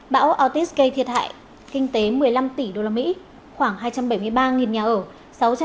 bão ortiz gây thiệt hại kinh tế một mươi năm tỷ đô la mỹ khoảng hai trăm bảy mươi ba nhà ở